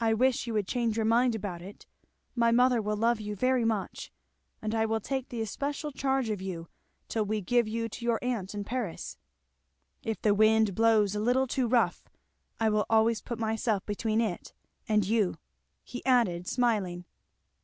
I wish you would change your mind about it. My mother will love you very much, and I will take the especial charge of you till we give you to your aunt in Paris; if the wind blows a little too rough I will always put myself between it and you," he added smiling.